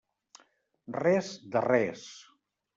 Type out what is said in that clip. Res de res!